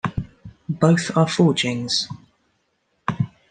Both are forgings.